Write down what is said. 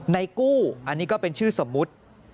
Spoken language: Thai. กู้อันนี้ก็เป็นชื่อสมมุติ